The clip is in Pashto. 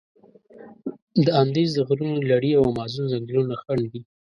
د اندیز د غرونو لړي او امازون ځنګلونه خنډ دي.